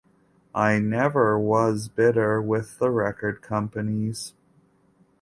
I never was bitter with the record companies.